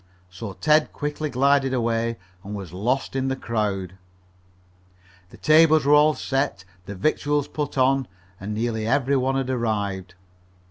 So Ted quickly glided away and was lost in the crowd. The tables were all set, the victuals put on, and nearly every one had arrived.